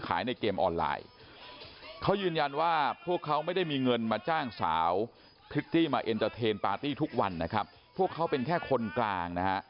ขายในเกมออนไลน์เขายืนยันว่าพวกเขาไม่ได้มีเงินมาจ้างสาวพูดที่มาครับพวกเขาเป็นแค่คนกลางนะ